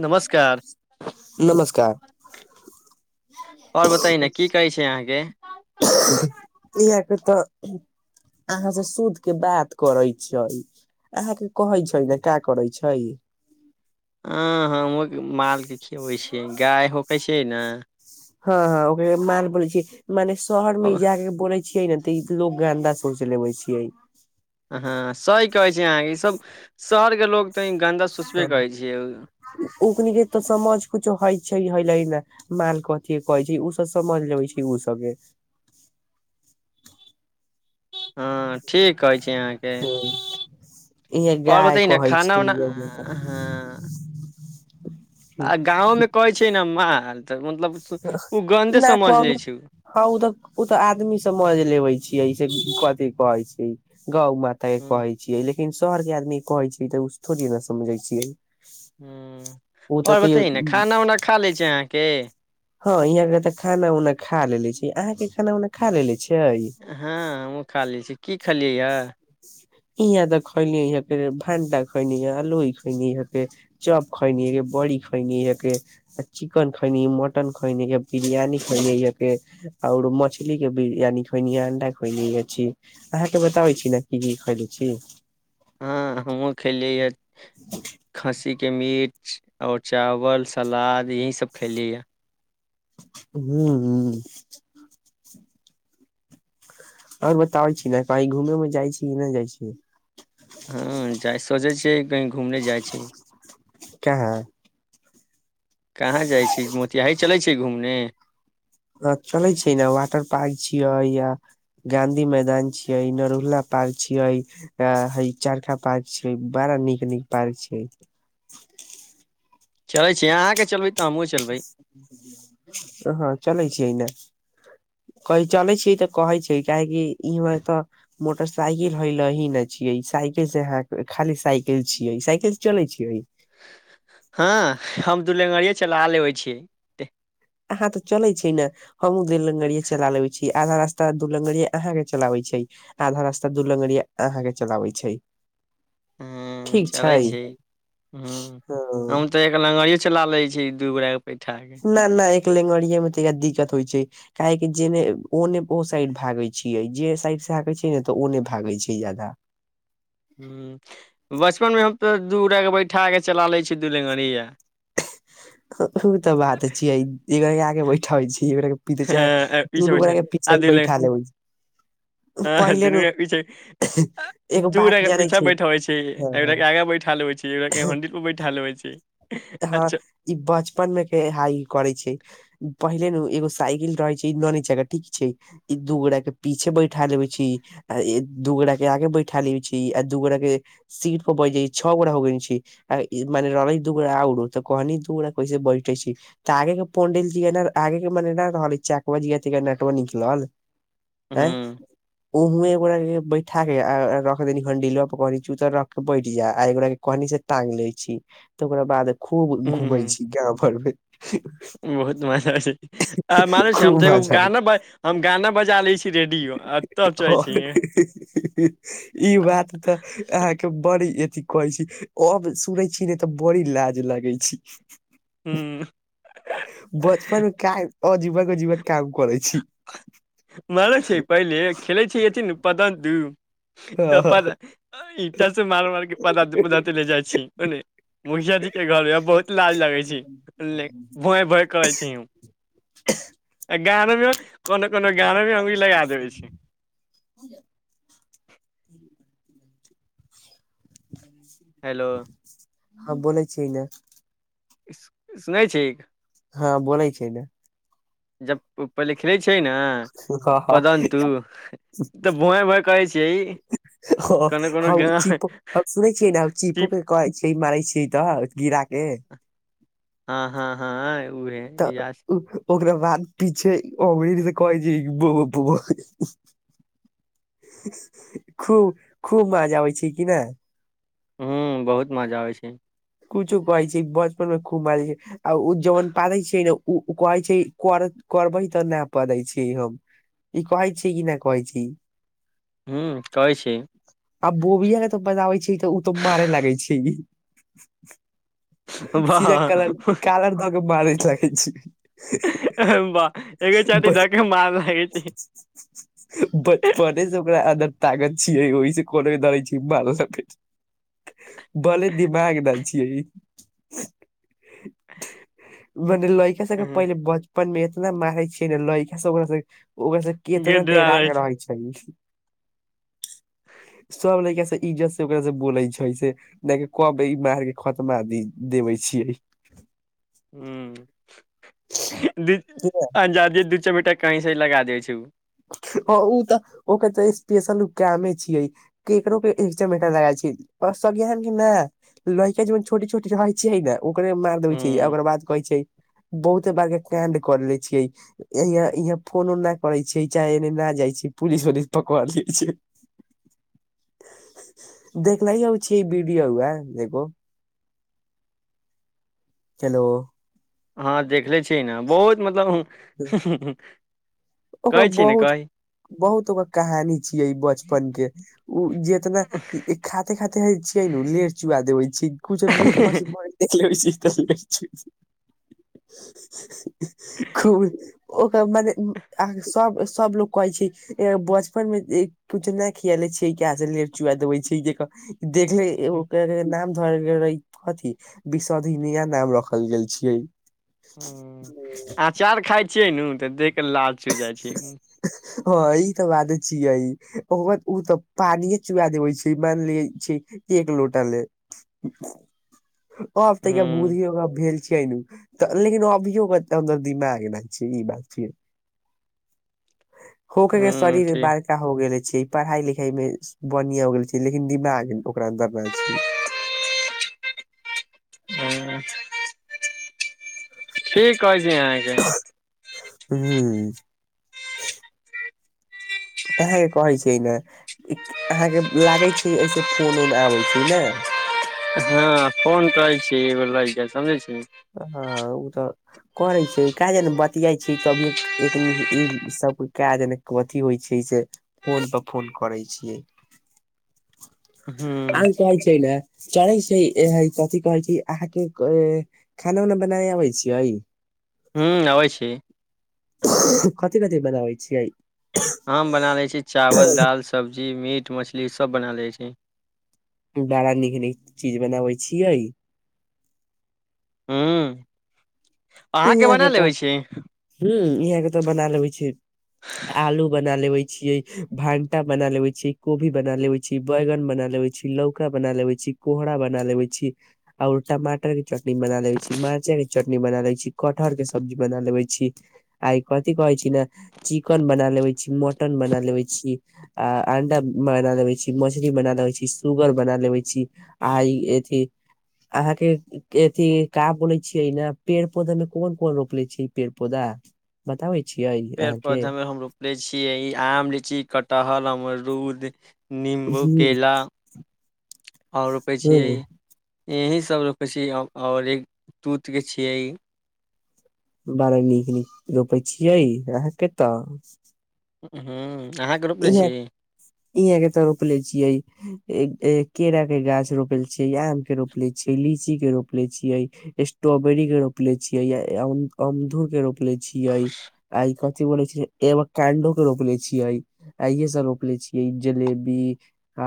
नमस्कार। नमस्कार आओर बताई न की कहै छै अहाँके। इह के त अहाँ से शुध के बात करै छिये अहाँके कहै छलजे का करै छै अं-अं-हमहूँ मालके खियबै छियै गाय होकै छियै न हाँ हाँ ओकरे माल बोैले छियै मने शहरमे अब जा के बोलै छियै ने त ई लोग गन्दा शोचलेबे छियै हाँ सही कहै छै अहाँके ईसभ शहरके लोको तऽ गन्दा सोचबे करै छियै उकनी के तऽ समझ कुछो होइ छै हे ल ने माल कथी कहै छै ओ सब समझ लबै छै ओ सबके। हाँ ठीक कहै छी अहाँ। हूँ इहाँ गाय बतै ने कहै खाना छै उना लोक एतह हँ आ गाँवोमे कहै छै ने माल तऽ मतलब ओ गन्धे समझ ले छै ओ हाँ ओ तऽ ओ तऽ आदमी सबमझ लेबे छियै से कथि कहै छियै गौ माता त हूँ कहै छियै लेकिन शहरके आदमी कहै छियै तऽ उ थोड़ी न समझे छियै हूँ ओ तऽ आओर कहियो बतैय ने खाना उना खा लै छी अहाँके हाँ यहाँके तऽ खाना उना खा लेले छी अहाँके खाना उना खा लेले छियै हाँ हमहुूँ खा ले छी की खेलियै या इहाँ त खयलनि इहाँके भाण्डा खइल आलहि खेलिहँ इहाँके चाप खायनि बड़ी खायनि हँके आ चिकन खइनी मटन खइनी इहाँ बिरियानी खइनी इहाँके आओर मछलीके बिरियानी खइनी अंडा खइनी छी अहाँके बताबै छी ने की की खइलै छी हाँ हमहूँ खेलियै ह खस्सीके मीट आओर चावल सलाद यही सब खैइली या हूँ हूँ आओर बताबै छी ने कही घूमे उमेमे जाइ छी कि नहि जाइ छी हाँ जाइ सोचै छियै कहीं घूमने जाइ छी कहाँ कहाँ जाइ छी मोतिहारी चलै छी घूमने हाँ चलै छी ने वाटर पार्क छियै या गाँधी मैदान छियै नरुहुला पार्क छियै अ हैय चरखा पार्क छै बड़ा नीक नीक पार्क छै चलै छियै अहाँके चलबै तऽ हमहूँ चलबै हाँ चलै छियै ने कहीं चलै छियै तऽ कहै छै काहेकि इमहर तऽ मोटरसाइकिल हय ल ही न छियै साइकिल से अहाँके खाली साइकिल छियै साइकिल से चलै छियै हाँ हम दुलेङ्गरया चला लेबै छियै देह अहाँ तऽ चलै छै ने हमूँ दू लंगरिया चला लेबे छी आधा रास्ता दू लंगरिया अहाँके के चलाबै छै आधा रास्ता दू लंगरिया अहाँके चलाबै छै हाँ ठीक चलै छै छी हँ हँ -हम तऽ एक लंगरियो चला ले छी दू गोरा के बैठा के ना ना एक लेंगड़एमे त दिक्कत होइ छै काहेेकि जेने ओने ओ साइड भागे छियै जे साइड से भागे छै ने तऽ ओने भागे छै ज्यादा हूँ बचपनमे हम तऽ दू गोटाके बैठा क चला लै छी दू लंगरिया ओ तऽ बात छियै एक आगे बैठाबै छियै हें आ- पीछे बैठा आगे ले बैठा लेबै हाँ पहिले दुनू नु गोटा पीेछे एगो दू गोटा बात के जानै पीछा बैठाबै छी एक गोटा के आगे बैठा लेबै छी एक गोटाके हेंडिल पर बैठा लेबे छी हँ अच्छा ई बचपनमे के हा करै छै पहिले नु एगो साइकिल रहे छै नन जगह ठीक छै ई दू गोटा के पीछे बैठा लेबे छी आ दू गोटा के आगे बैठा लेबै छी आ दू गोटा के सीट प बैठ जाइ छअ गोटा हो गेल छी रा मने रहलें दू ऊहे आओरो तऽ कहनी दू गोटा कैसे बैठे छी तऽ आगे के पण्डिल ज आगे मने रहल चक्काबा के नेटवर् निकलल एह हूँ ओहमे एक गोरा के बै- -ठाके रख दनि हेडिलबा पकड़के चूतर रख के बैठि जा आ एक गोरा के कहनी से टांगग लै छी तऽ ओकरा बाद खूब घूमै छी गाँव भरमे उह-बहुत मजा छै ए-माने छै हम खूब तऽ एगो मजा आवे गाना बजा हम गाना बजा लै छी रेडियो आ तब चलै आ- छी हीं हीं-हह ई बात तऽ अहाँके बड़ अथी कहै छी अब सुनै छी ने तऽ बड़ी लाज लागै छी हूँ उँ-म बचपन का अजीवन जीवन काम करै छी मानै छै पहिले खेलै छै अथि नु पदन दू तऽ पद अइ ईटा से मार मार के पादाते पदाते ले जाा छी ओने मुखियाजी के घर बहुत लाज लगै छै भोंय भोंय कहै छै उ आ गानमे कोनो कोनो गानमे हम ई लगा देबे छी हेलो हाँ बोलै छियै ने सुने छिक हाँ बोलय छियै न जब ओ पहिले खेलै छै ने पदन्तु तऽ भोए भोए कहै छियै कोनो कोनो ह-ह गाँव चीप सुनेै छियै ने चीपो चिप कहै छै मरै छै तऽ गिड़ाके हाँ हाँ हाँ तऽ उ-ओकरा बाद पीछे अबीर से कहै छै भों भों खूब खूब मज आबै छै कि नहि हूँ बहुत मजा आबै छै कुछो कहै छै बचपनमे खूब मजा आ ओ जमन पादै छैै ने ओ कहै छै कर करबै तऽ नहि पादै छै हम ई कहइ छी कि ना कहै छी हूँ कहै छी आ बोबियाके तो बजाबै छै तऽ ओ तो मारे लागे छै [inaudible] वाह सीधा कलर कालर दऽ के मारै लैगे छी अरे वाह ए के छाती ध के मार लागै छै [unintelligible] बचपने से ओकरा अन्दर ताकत छियै ओहिसँ कोनो डरे छियै मारे भले दिमाग न छीये इ मने लड़िका सबके पहिले बच पर मे इतना मारै छियै ने लड़का से ओकरास ओकरास कितना डेरा के रहै छै इ सब लैका सब इज्जत से ओकरा से बोलै छै से नहि कबे इ मार खतमा दी देबे छियै हूँ लेकिन अजादिय दू चमेटा कहीं से ही लगा दै छै उ हम त ओ तऽ ओकर तऽ स्पेशल कमे छियै ऊ केकरो के एक चमेटा लागल छै अ सगिहन के मेय लड़का जन छोटी छोटी रहै छै ने ओकरे मारि देबै छै हूँ ओकर बाद कहै छै बहुते बार के कांड क ले छियै यह इहाँ फोन उ नहि करे छीये चाहे न जाइ छै पूरी सोरी पकव लै छै देखलय हम छीही बीबी आओर वएह एगो हेलो हँ देखले छिही ने बहुत मतलब ओकर कहै छी ने बहुत कही बहुत ओको कहानी छियै ई बचपन के ओ जेतना इ खाते खाते हे छियै न लेर चुआ देवे छी कुछ मीट मछली देखलैबै छै इ लेर चुयाबै छै खूब ओका मने अहाँ के सब सब लोग कहै छै बचपन मे तु चिल्लीया किया लै छी [unintelligible] लेर चुआ देबै छी देख क देखले एगो ओकर नाम धरय गेल रहै अथी विशोधी मिया नाम रखल गेल छियै ह अचार खाइ छियै ने त देख क लार चु जाइ छै हँ ई त बाते छियै ओ त पानिये चुआ देबे छै मान ले छै एक लोट लेल [inaudible] ओर तय के बुधी ओकरा भेल छिये नु त लेकिन अभियो कते हमर दिमाग नहि छै ई बात छी होके हूं सारी रे ठीक बाद एका हो गेले छै पढ़ाई लिखाई मे बढ़िया हो गेल छै लेकिन दिमाग ओकरा अन्दर ना छै ह की कहै छी अहाँके हूँ अहाँ के कहै छियै ने अहाँके लागे छै ऐसे फोन उन आबै छै ने हँ फोन करै छ इ बेर लाग जाय समझै छी हँ ओ त करै छै क जे ने बतियाइ छी तभिये एक ई सब का जेना कथी होइ छै से फोन पर फोन करैय छियै [inaudible] आ हूं जाय छै ना कहै छै ने चलै छै कथी कहै छै अहाँके खाना उना बनाय अबै छियै हूँ अबै छी कथी कथी बनाबै छियै हम बना लैत छी चावल दालि सब्जी मीट मछली सब बना लैत छी बड़ा नीक नीक चीज बनाबे छियै हूं अहाँके इहाँ के बना त लेबै छी ह इहाँ के त बना लेबै छै आलू बना लेबै छियै भंटा बना लेवे छी कोभी बना लेवे छी बैगन बना लेवे छी लौका बना लेवे छी कोहरा बना लेवे छी आओर टमाटरके चटनी बना लेवे छी मर्चाके चटनी बना लेवे छी कठहर के सब्जी बना लेबे छी आइ कथि कहै छी ने चिकन बना लेबे छी मटन बना लेबे छी आ अंडा बना लेबे छी मछली बना लेबे छी सुगर बना लेवे छी आ ई अथी अहाँके अथि का बोलै छियै ने पेड़ पौधामे कोन कोन रोपले छी पेड़ पौधा बताबे छियै पेड़ अहाँके पौधा में हम रोपले छियै ई आम लीची कटहल अममरूद निम्बू केला आओर रोपै ह छियै यही सब रोपे छियै आओर एक दूत के छियै बड़ा नीक नीक रोपै छियै अहाँके तऽ हूँ अहाँके रोपने छी इहाँके ते रोपले छियै केरा के गाछ रोपल छी आमके रोप लीची लीची के रोप ले छियै स्ट्रोबेरी के रोपले छियै या आम-अमधो के रोप रोपले छियै आ ई कथी बोले छै एगो कंडो के रोपले छियै आँ ये सब रोपले छियै जलेबी आ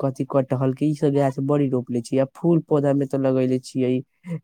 कथी कटहल के इ सब गाछ बड़ी रोपले छियै आ फूल पौधामे ते लगेेले छियै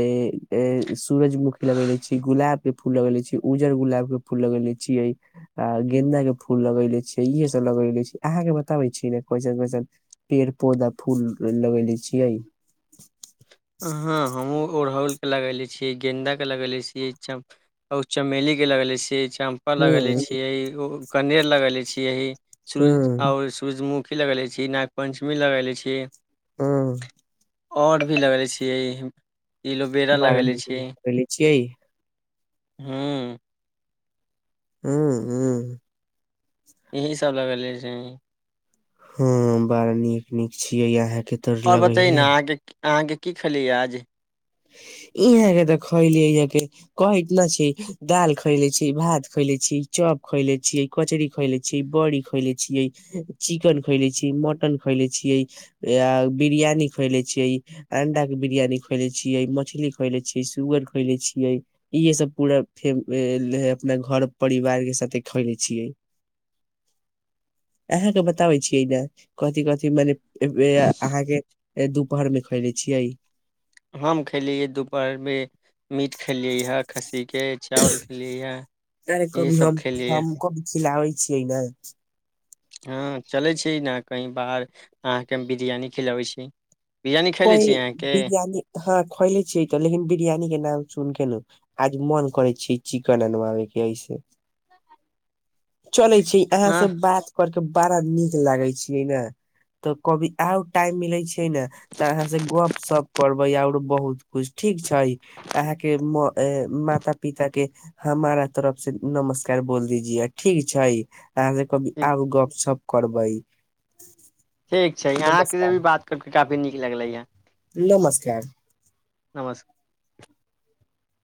ऐं-ए सूरजमुखी लगेेले छी गुलाब के फूल लगेेले छी उजर गुलाब के फुल ल गेले छियै आ गेंन्दाक के फूल लगेले छियै इहे सभ लगेले छियै अहाँके बताबै छी ने कैसन कैसन पेड़ पौधा फूल लगेेले छियै हाँ हमहूँ ओड़हुलके लगेले छियै गेंन्दाके लगैले छियै चम- -ली के लगैले छियै चम - लगेले हम्म छियै ओ कनेर लगेले छियै सूरज- हम्म आओर सूर्यमु- -खी लगेले छियै नागपञ्चमी लगैले छियै हाँ आओर भी लगैले छियै एलोवेरा बड़ा लगैले नीक छियै नीक लगेले छियै हूँ हूँ हूँ इही सब लगले छै हूँ बड़ा नीक नीक छियै अहाँके आओर बतेय न अहाँके अहाँके की खेली आज इहाँके तऽ खयली इहाँके कहै न छी दाल खएले छी भात खएले छी चॉप खएले छी कचरी खइले छियै बड़ी खइले छियै चिकेन खइले छियै मटन खएले छियै या बिरियानी खइले छियै अंडा के बिरियानी खइले छी छियै मछली खइले छियै सुगर खइले छियै इहे सब पूरा फे ए-अपना घर परिवार के साथे खैले छियै [inaudible] अहाँके बताबै छियै ने कथि कथि मने वे-आ-अहाँके दुपहरमे खैइले छियै हम खेलियैै दुपहरमे मीट खेलियै हे खस्सीके चावल खेलियै या अरे कभी हम हम कभी खिलाबै छियै ने हाँ चलै छै ने कहीं बाहर अहाँके हम बिरयानी खिलाबै छी बिरियानी खैले कइ छी अहाँके बिरियानी हाँ खैले छियै तऽ लेकिन बिरियानी के नाम सुन केे नु आज मन करै छै चिकन बनबाबे के ऐसे चलै छी अहाँ हँ से बात करके बड़ा नीक लागे छियै ने तऽ कभी आउ टाइम मिलै छै ने तऽ अहाँ से गप सप करबे आओरो बहुत कुछ ठीक छै अहाँके म- माता पिताके हमारा तरफ से नमस्कार बोल दीजियए ठीक छै अहाँ कभी ठीक आउ गपशप करबै ठीक छै अहाँके नमस्कार भी बात करिकऽ काफी नीक लगलैए हँ नमस्कार नमस्कार